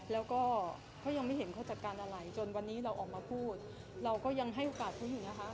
แล้วก็เขายังไม่เห็นเขาจัดการอะไรจนวันนี้เราออกมาพูดเราก็ยังให้โอกาสเขาอยู่นะคะ